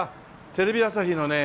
テレビ朝日のね